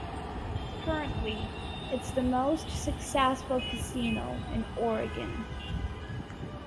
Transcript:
Currently, it's the most successful casino in Oregon.